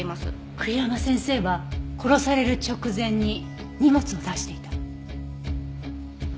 栗山先生は殺される直前に荷物を出していた。